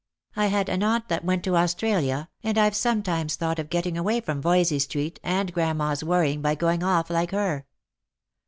I had an aunt that went to Australia, and I've sometimes thought of getting away from Voysey street and grandma's worrying by going off like her."